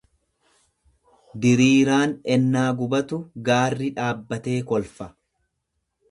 Diriiraan ennaa gubatu gaarri dhaabbatee kolfa.